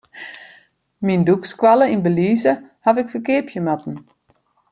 Myn dûkskoalle yn Belize haw ik ferkeapje moatten.